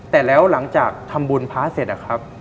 แต่แล้วหลังจากทำบุญพระเสร็จนะครับ